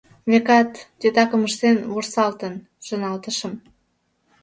«Векат, титакым ыштен, вурсалтын», — шоналтышым.